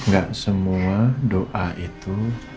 gak semua doa itu